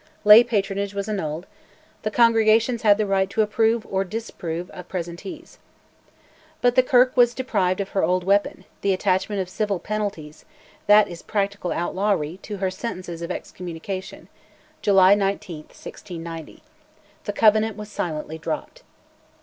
Lay patronage was annulled: the congregations had the right to approve or disapprove of presentees. But the Kirk was deprived of her old weapon, the attachment of civil penalties (that is practical outlawry) to her sentences of excommunication (July 19, 1690). The Covenant was silently dropped.